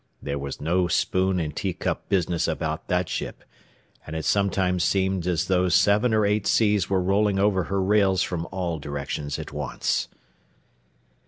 There was no spoon and teacup business about that ship, and it sometimes seemed as though seven or eight seas were rolling over her rails from all directions at once.